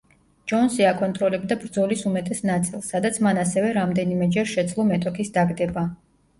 ჯონსი აკონტროლებდა ბრძოლის უმეტეს ნაწილს, სადაც მან ასევე რამდენიმეჯერ შეძლო მეტოქის დაგდება.